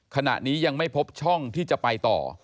ขณะนี้ยังไม่พบช่องที่จะไปต่อ